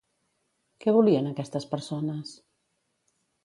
Què volien aquestes persones?